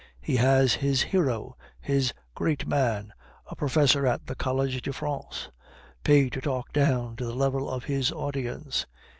He has his hero, his great man, a professor at the College de France, paid to talk down to the level of his audience.